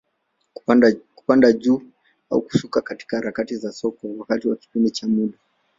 Kupanda juu au kushuka katika harakati za soko, wakati wa kipindi cha muda.